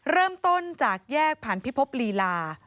เริ่มต้นจากแยกผ่านพิภพลีลา